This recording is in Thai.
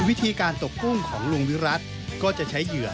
วิธีการตกกุ้งของลุงวิรัติก็จะใช้เหยื่อ